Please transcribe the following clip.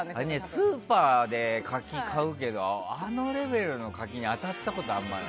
スーパーで柿、買うけどあのレベルの柿に当たったことあんまり。